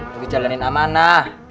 mau jalanin amanah